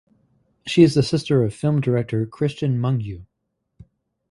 She is the sister of film director Cristian Mungiu.